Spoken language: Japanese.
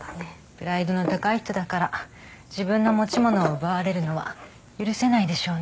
プライドの高い人だから自分の持ち物を奪われるのは許せないでしょうね。